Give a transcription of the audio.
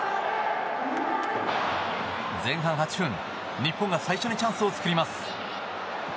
前半８分、日本が最初にチャンスを作ります。